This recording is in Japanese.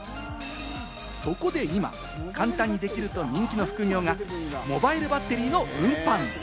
そこで今、簡単にできると人気の副業がモバイルバッテリーの運搬。